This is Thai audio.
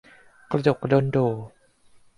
กระดกกระดนโด่